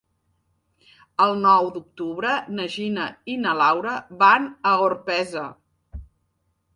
El nou d'octubre na Gina i na Laura van a Orpesa.